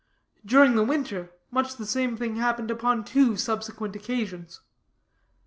During the winter, much the same thing happened upon two subsequent occasions.